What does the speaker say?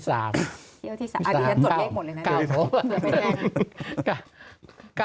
เที่ยวที่๓อาทิตย์นั้นส่วนเล็กหมดเลยนะ